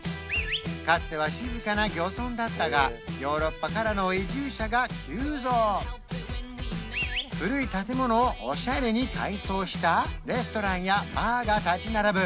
かつては静かな漁村だったがヨーロッパからの移住者が急増古い建物をオシャレに改装したレストランやバーが立ち並ぶ